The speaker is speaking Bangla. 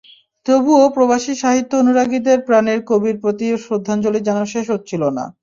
তবুও প্রবাসী সাহিত্য অনুরাগীদের প্রাণের কবির প্রতি শ্রদ্ধাঞ্জলি যেন শেষ হচ্ছিল না।